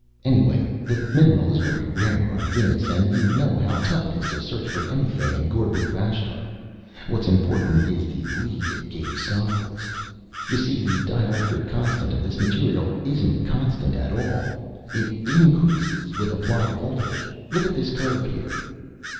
Anyway, the mineral is very rare on Venus, and you know how tough it is to search for anything in Gorbu vashtar. What's important is the lead it gave Sophoulis. You see, the dielectric constant of this material isn't constant at all. It increases with applied voltage. Look at this curve here."